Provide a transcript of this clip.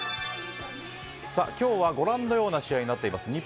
今日はご覧のような試合になっています。